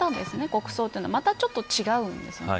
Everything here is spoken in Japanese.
国葬という、またちょっと違うんですね。